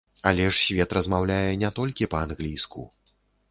Але ж свет размаўляе не толькі па-англійску!